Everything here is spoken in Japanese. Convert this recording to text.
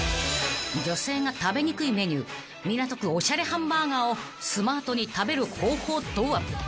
［女性が食べにくいメニュー港区おしゃれハンバーガーをスマートに食べる方法とは］